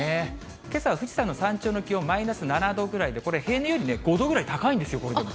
けさは富士山の山頂の気温、マイナス７度ぐらいで、これ、平年より５度ぐらい高いんですよ、これでも。